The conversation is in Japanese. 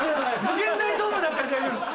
∞ドームだったら大丈夫です。